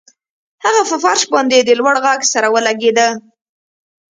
هغه په فرش باندې د لوړ غږ سره ولګیده